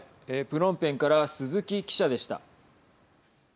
プノンペンから鈴木記者でした。